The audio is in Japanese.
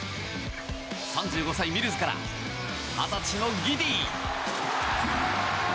３５歳、ミルズから２０歳のギディー。